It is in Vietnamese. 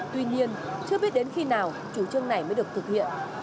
tuy nhiên chưa biết đến khi nào chủ trương này mới được thực hiện